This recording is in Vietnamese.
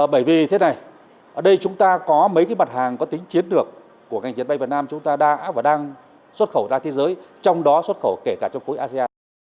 bởi vì thế này ở đây chúng ta có mấy cái mặt hàng có tính chiến lược của ngành diệt may việt nam chúng ta đã và đang xuất khẩu ra thế giới trong đó xuất khẩu kể cả trong khối asean